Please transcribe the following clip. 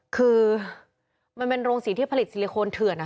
คือเป็นโรงสี่ที่ผลิตซิลิโคนเถื่อนนะคะ